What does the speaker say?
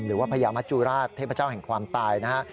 หรือว่าพญามัจจุราชเทพเจ้าแห่งความตายนะฮะ